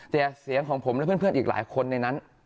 แต่เสียงของผมและเพื่อนอีกหลายคนในนั้น